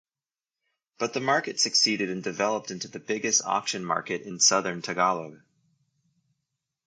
But the market succeeded and developed into the biggest auction market in Southern Tagalog.